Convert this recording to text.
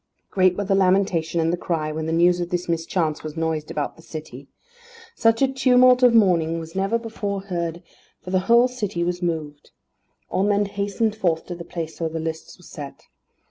Great were the lamentation and the cry when the news of this mischance was noised about the city. Such a tumult of mourning was never before heard, for the whole city was moved. All men hastened forth to the place where the lists were set.